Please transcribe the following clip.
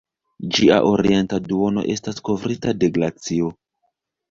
Ĝia orienta duono estas kovrita de glacio.